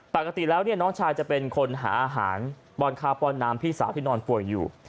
ปกติแล้วเนี่ยน้องชายจะเป็นคนหาอาหารป้อนข้าวป้อนน้ำพี่สาวที่นอนป่วยอยู่